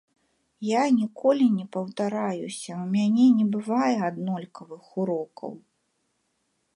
Я ніколі не паўтараюся, у мяне не бывае аднолькавых урокаў.